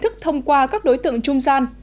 tức thông qua các đối tượng trung gian